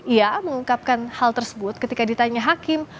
ia mengungkapkan hal tersebut ketika ditanya hakim